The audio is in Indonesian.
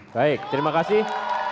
baik terima kasih